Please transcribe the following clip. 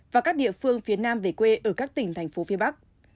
và các địa phương phía nam về quê ở các tỉnh tp hcm